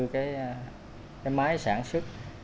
cái máy sản xuất